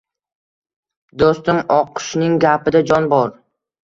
– Do‘stim, oqqushning gapida jon bor